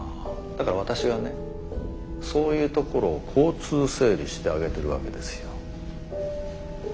だから私がねそういうところを交通整理してあげてるわけですよ。